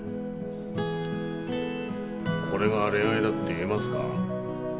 これが恋愛だって言えますか？